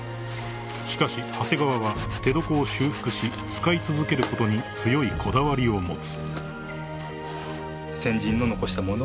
［しかし長谷川は手床を修復し使い続けることに強いこだわりを持つ］